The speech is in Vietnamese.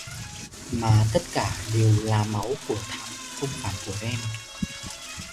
Mà tất cả đều là máu của Thảo không phải của em